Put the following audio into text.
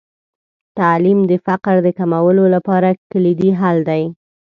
تعلیم د فقر د کمولو لپاره کلیدي حل دی.